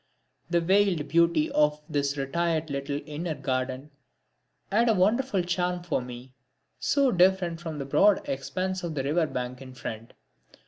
The veiled beauty of this retired little inner garden had a wonderful charm for me, so different from the broad expanse of the river bank in front.